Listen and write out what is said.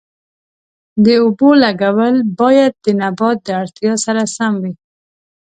د اوبو لګول باید د نبات د اړتیا سره سم وي.